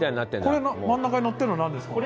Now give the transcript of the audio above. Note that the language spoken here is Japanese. これ真ん中にのってるのなんですか？